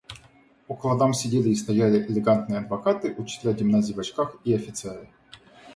Около дам сидели и стояли элегантные адвокаты, учителя гимназии в очках и офицеры.